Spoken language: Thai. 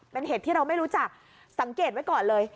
เป็นเห็ดที่เราไม่รู้จักสังเกตไว้ก่อนเลย